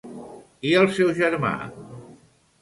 I el seu germà?